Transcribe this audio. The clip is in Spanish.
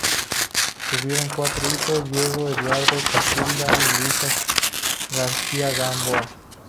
Tuvieron cuatro hijos: Diego, Eduardo, Casilda y Luisa García Gamboa.